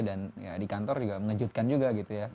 dan ya di kantor juga mengejutkan juga gitu ya